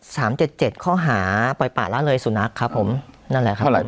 เจ็ดเจ็ดข้อหาปล่อยป่าละเลยสุนัขครับผมนั่นแหละครับ